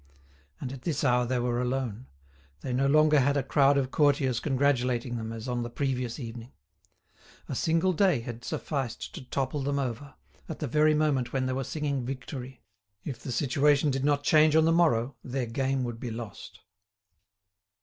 And at this hour they were alone; they no longer had a crowd of courtiers congratulating them, as on the previous evening. A single day had sufficed to topple them over, at the very moment when they were singing victory. If the situation did not change on the morrow their game would be lost.